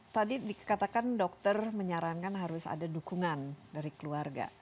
tadi dikatakan dokter menyarankan harus ada dukungan dari keluarga